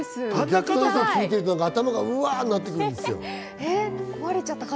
聞いてると頭がうわってなってくるんですよ。